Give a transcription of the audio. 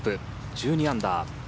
１２アンダー。